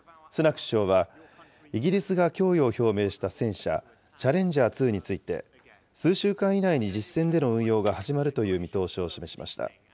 首相は、イギリスが供与を表明した戦車、チャレンジャー２について、数週間以内に実戦での運用が始まるという見通しを示しました。